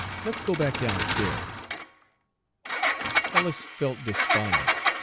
Let's go back downstairs." Ellis felt despondent.